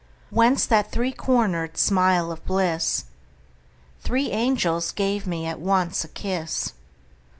Whence that three corner'd smile of bliss? Three angels gave me at once a kiss.